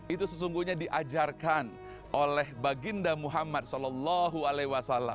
itu sesungguhnya diajarkan oleh baginda muhammad saw